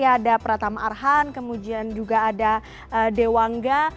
ada pratama arhan kemudian juga ada dewangga